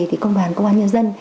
thì công an công an nhân dân